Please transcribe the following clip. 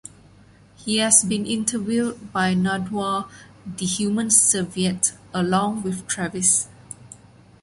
He has been interviewed by Nardwuar the Human Serviette, along with Travis.